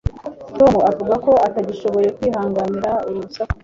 tom avuga ko atagishoboye kwihanganira uru rusaku